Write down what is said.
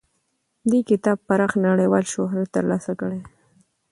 دې کتاب پراخ نړیوال شهرت ترلاسه کړی دی.